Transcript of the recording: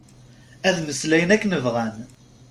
Ad mmeslayen akken bɣan.